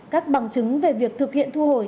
các bằng chứng về việc thực hiện thu hồi